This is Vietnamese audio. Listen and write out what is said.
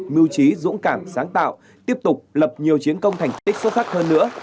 mưu trí dũng cảm sáng tạo tiếp tục lập nhiều chiến công thành tích xuất sắc hơn nữa